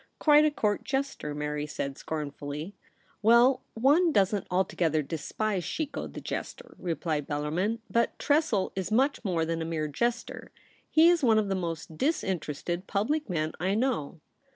' Quite a court jester,' Mary said scorn fully. * Well, one doesn't altogether despise Chicot the Jester,' replied Bellarmin ;' but Tressel is much more than a mere jester. He is one of the most disinterested public men I know.'